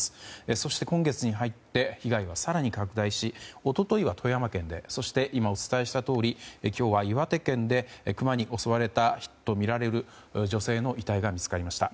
そして、今月に入って被害は更に拡大し一昨日は富山県でそして今、お伝えしたとおり今日は岩手県でクマに襲われた女性とみられる遺体が見つかりました。